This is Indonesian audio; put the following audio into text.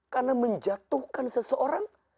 karena menjatuhkan seseorang